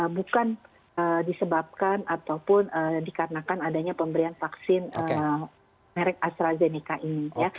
bukan disebabkan ataupun dikarenakan adanya pemberian vaksin merek astrazeneca ini